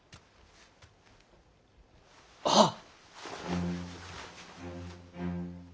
はっ。